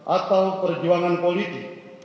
atau perjuangan politik